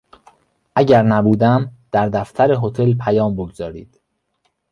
اگر نبودم در دفتر هتل پیام بگذارید.